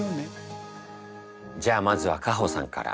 じゃあまずはカホさんから。